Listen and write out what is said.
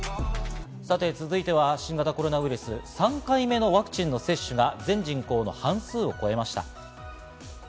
続いては新型コロナウイルス、３回目のワクチンの接種が全人口の半数を超えました。